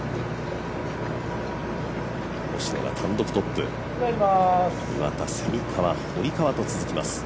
星野が単独トップ、岩田、蝉川、堀川と続きます。